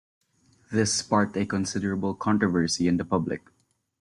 This sparked a considerable controversy in the public.